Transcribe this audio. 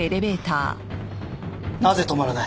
なぜ止まらない？